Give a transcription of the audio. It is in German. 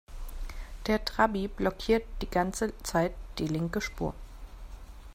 Der Trabi blockiert die ganze Zeit die linke Spur.